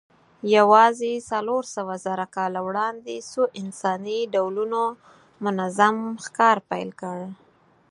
یواځې څلورسوهزره کاله وړاندې څو انساني ډولونو منظم ښکار پیل کړ.